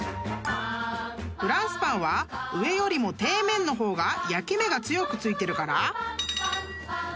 ［フランスパンは上よりも底面の方が焼け目が強く付いてるから］